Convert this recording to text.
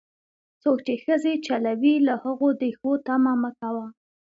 څوک چې ښځې چلوي، له هغو د ښو تمه مه کوه.